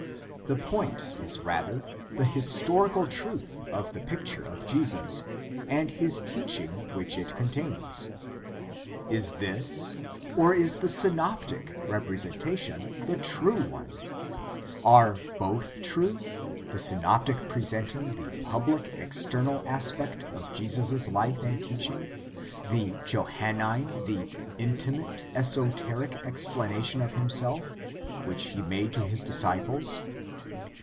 The point is rather the historical truth of the picture of Jesus and his teaching which it contains. Is this or is the synoptic representation the true one ? Are both true, the s}Tioptic presenting the public external aspect of Jesus' life and teaching, the Johannine the intimate esoteric explanation of himself which he made to his disciples?